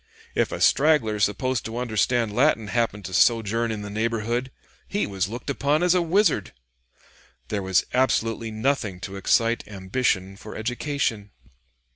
If a straggler supposed to understand Latin happened to sojourn in the neighborhood, he was looked upon as a wizard. There was absolutely nothing to excite ambition for education."